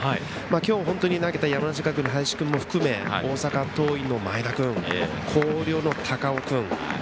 今日、投げた山梨学院の林君も含め大阪桐蔭の前田君広陵の高尾君